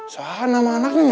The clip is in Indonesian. sahana mah anaknya